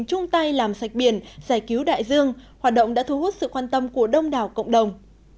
chung tay làm sạch biển giải cứu đại dương hoạt động đã thu hút sự quan tâm của đông đảo cộng đồng